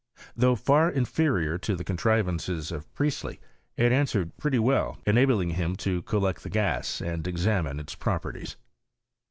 Though far inferior to the contrivances of Priestley, it an swered pretty well, enabling him to collect the gaa, and examine its properties.